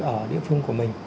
ở địa phương của mình